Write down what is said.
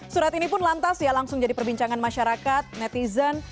surat ini pun lantas ya langsung jadi perbincangan masyarakat netizen